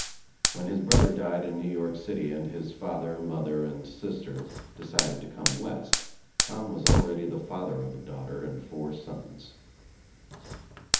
When his brother died in New York City and his father, mother, and sister decided to come west Tom was already the father of a daughter and four sons.